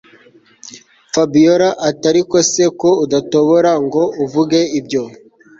Fabiora atiariko se ko udatobora ngo uvuge ibyo